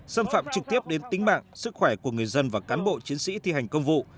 xâm phạm trực tiếp đến tính mạng sức khỏe của người dân và cán bộ chiến sĩ thi hành công vụ